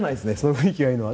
雰囲気がいいのは。